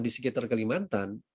di sekitar kelimantan